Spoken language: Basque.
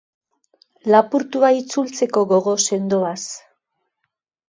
Lapurtua itzultzeko gogo sendoaz.